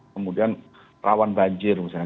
kemudian rawan banjir misalnya